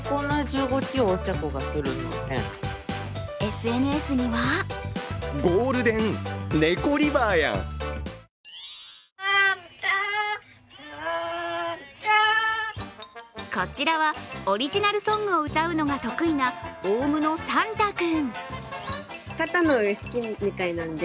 ＳＮＳにはこちらは、オリジナルソングを歌うのが得意なオウムのさんた君。